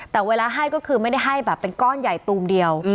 แต่เวลาให้ก็คือไม่ได้ให้แบบเป็นก้อนใหญ่ตูมเดียว